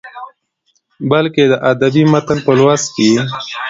بلکې د ادبي متن په لوست کې يې